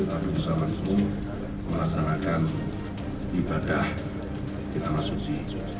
tapi bisa langsung melaksanakan ibadah di tanah suci